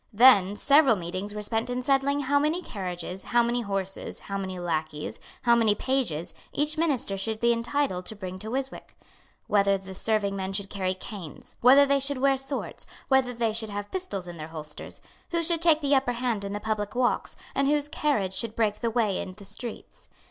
Then several meetings were spent in settling how many carriages, how many horses, how many lacqueys, how many pages, each minister should be entitled to bring to Ryswick; whether the serving men should carry canes; whether they should wear swords; whether they should have pistols in their holsters; who should take the upper hand in the public walks, and whose carriage should break the way in the streets.